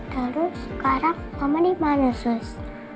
terus sekarang mama dimana sus